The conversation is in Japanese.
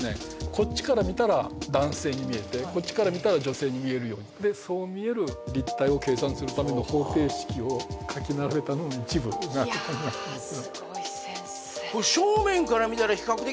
こっちから見たら男性に見えてこっちから見たら女性に見えるようにそう見える立体を計算するための方程式を書き並べたのを一部いやスゴい先生